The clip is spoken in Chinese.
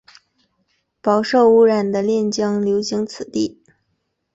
饱受污染的练江流经此地。